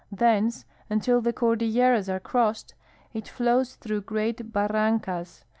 Thence, until the Cordilleras are crossed, it flows through great barrancas.